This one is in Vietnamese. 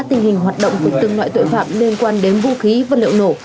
tình hình hoạt động của từng loại tội phạm liên quan đến vũ khí vật liệu nổ